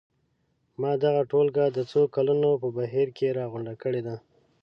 ما دغه ټولګه د څو کلونو په بهیر کې راغونډه کړې ده.